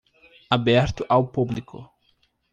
Aberto ao público